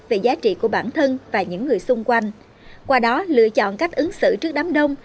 về giá trị của bản thân và những người xung quanh qua đó lựa chọn cách ứng xử trước đám đông